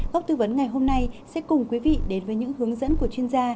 góc tư vấn ngày hôm nay sẽ cùng quý vị đến với những hướng dẫn của chuyên gia